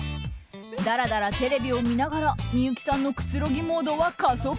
だらだらテレビを見ながら幸さんのくつろぎモードは加速。